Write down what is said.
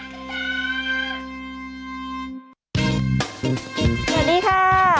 สวัสดีค่ะ